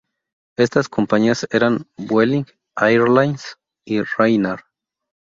Estas compañías eran Vueling Airlines y Ryanair.